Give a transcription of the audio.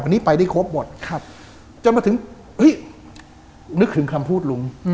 อันนี้ไปได้ครบหมดจนมาถึงเฮ้ยนึกถึงคำพูดลุง